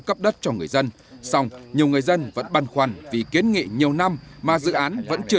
cấp đất cho người dân song nhiều người dân vẫn băn khoăn vì kiến nghị nhiều năm mà dự án vẫn chưa